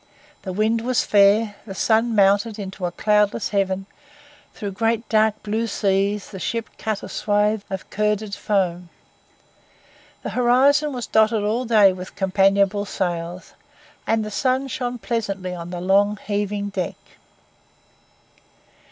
The wind was fair; the sun mounted into a cloudless heaven; through great dark blue seas the ship cut a swath of curded foam. The horizon was dotted all day with companionable sails, and the sun shone pleasantly on the long, heaving deck.